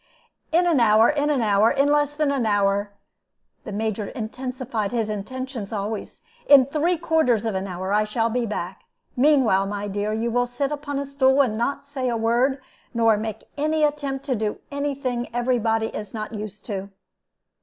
"In an hour, in an hour, in less than an hour" the Major intensified his intentions always "in three quarters of an hour I shall be back. Meanwhile, my dear, you will sit upon a stool, and not say a word, nor make any attempt to do any thing every body is not used to."